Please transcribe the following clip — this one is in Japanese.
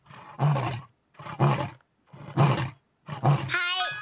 はい。